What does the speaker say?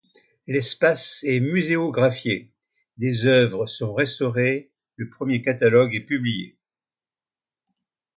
L’espace est muséographié, des œuvres sont restaurées, le premier catalogue est publié.